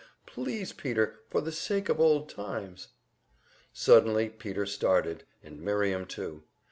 Please, Peter, for the sake of old times!" Suddenly Peter started, and Miriam too.